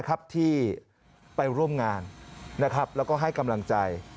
กอดเธอผู้เดียว